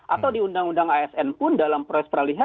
atau di undang undang asn pun dalam proses peralihan